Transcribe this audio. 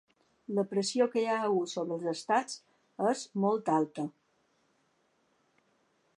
La pressió que hi ha hagut sobre els estats és molt alta.